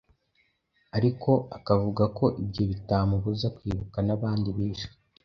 ariko akavuga ko ibyo bitamubuza kwibuka n'abandi bishwe